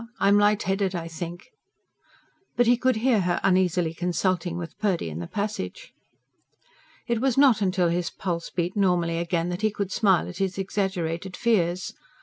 I'm light headed, I think." But he could hear her uneasily consulting with Purdy in the passage. It was not till his pulse beat normally again that he could smile at his exaggerated fears.